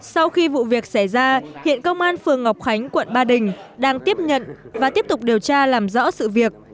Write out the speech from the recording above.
sau khi vụ việc xảy ra hiện công an phường ngọc khánh quận ba đình đang tiếp nhận và tiếp tục điều tra làm rõ sự việc